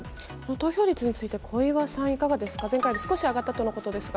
投票率について小岩さん、いかがですか。